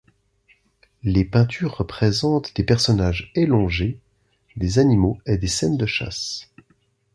Les peintures représentent des personnes élongées, des animaux et des scènes de chasse.